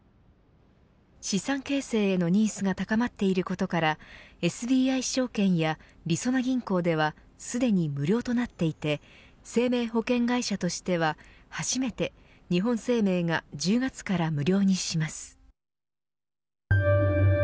資産形成へのニーズが高まっていることからＳＢＩ証券や、りそな銀行ではすでに無料となっていて生命保険会社としては初めて日本生命が１０月から無料にします。